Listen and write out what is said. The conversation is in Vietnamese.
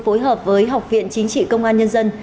phối hợp với học viện chính trị công an nhân dân